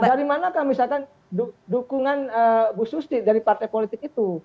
dari manakah misalkan dukungan bu susti dari partai politik itu